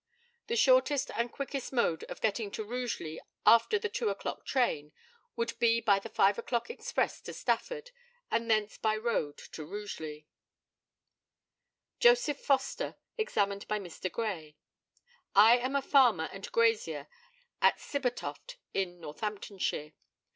The shortest and quickest mode of getting to Rugeley after the two o'clock train, would be by the five o'clock express to Stafford, and thence by road to Rugeley. JOSEPH FOSTER, examined by Mr. GRAY: I am a farmer and grazier at Sibbertoft, in Northamptonshire.